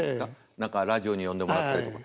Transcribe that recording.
何かラジオに呼んでもらったりとか。